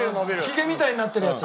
ひげみたいになってるやつ。